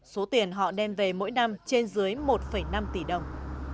số tiền họ đem về mỗi năm trên dưới một năm tỷ đồng